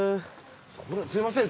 すみません